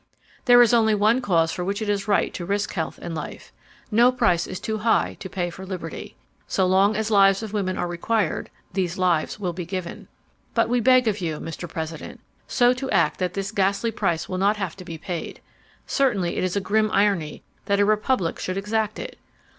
"There is only one cause for which it is right to risk health and life. No price is too high to pay for liberty. So long as lives of women are required, these lives will be given. "But we beg of you, Mr. President, so to act that this ghastly price will not have to be paid. Certainly it is a grim irony that a Republic should exact it.